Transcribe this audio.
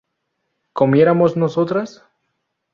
¿comiéramos nosotras?